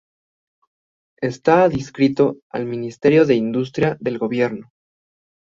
Está adscrito al Ministerio de Industria del Gobierno.